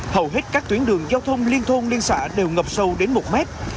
hầu hết các tuyến đường giao thông liên thôn liên xã đều ngập sâu đến một mét